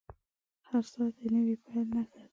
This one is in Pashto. • هر ساعت د نوې پیل نښه ده.